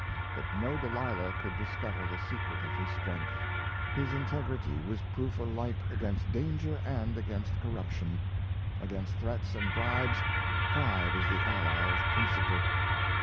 But no Delilah could discover the secret of his strength. His integrity was proof alike against danger and against corruption. Against threats and bribes, pride is the ally of principle.